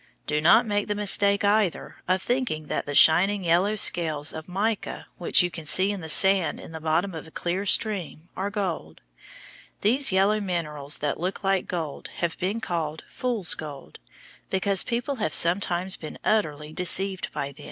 Do not make the mistake, either, of thinking that the shining yellow scales of mica which you see in the sand in the bottom of a clear stream are gold. These yellow minerals that look like gold have been called "fools' gold" because people have sometimes been utterly deceived by them. [Illustration: FIG. 99.